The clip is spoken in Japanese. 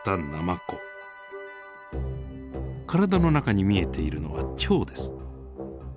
体の中に見えているのは腸です。